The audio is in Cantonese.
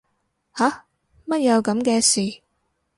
吓乜有噉嘅事